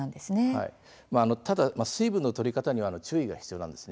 ただ、水分のとり方には注意が必要です。